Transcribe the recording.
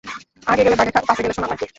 আগে গেলে বাঘে খায়, পাছে গেলে সোনা পায়।